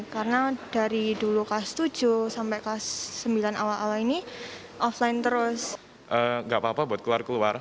karena dari dulu khas tujuh sampai ke sembilan awal awal ini offline terus nggak papa buat keluar keluar